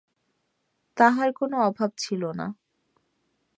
তাহার কোনো অভাব ছিল না।